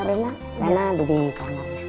rena udah dingin banget